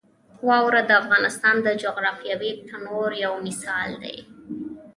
واوره د افغانستان د جغرافیوي تنوع یو مثال دی.